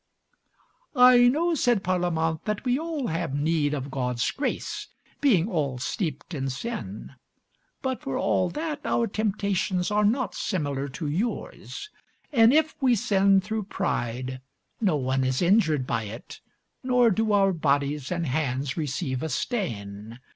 "I know," said Parlamente, "that we all have need of God's grace, being all steeped in sin; but, for all that, our temptations are not similar to yours, and if we sin through pride, no one is injured by it, nor do our bodies and hands receive a stain.